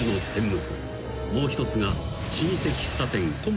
［もう一つが］